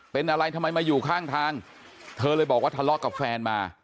เป็นอะไรทำไมมาอยู่ข้างทางเธอเลยบอกว่าทะเลาะกับแฟนมา